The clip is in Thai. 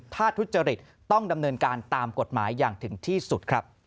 ถ้าทุจริตต้องดำเนินการตามกฎหมายอย่างถึงที่สุดครับ